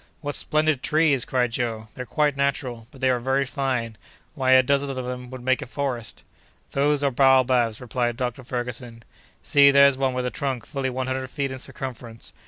"What splendid trees!" cried Joe. "They're quite natural, but they are very fine! Why a dozen of them would make a forest!" "Those are baobabs," replied Dr. Ferguson. "See, there's one with a trunk fully one hundred feet in circumference.